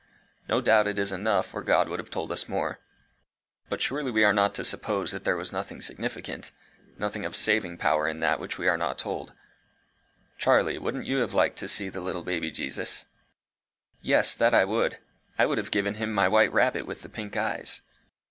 No doubt it is enough, or God would have told us more; but surely we are not to suppose that there was nothing significant, nothing of saving power in that which we are not told. Charlie, wouldn't you have liked to see the little baby Jesus?" "Yes, that I would. I would have given him my white rabbit with the pink eyes."